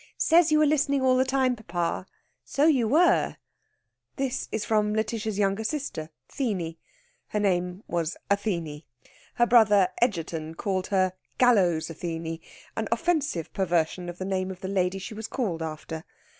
"Says you were listening all the time, papa. So you were!" This is from Lætitia's younger sister, Theeny. Her name was Athene. Her brother Egerton called her "Gallows Athene" an offensive perversion of the name of the lady she was called after.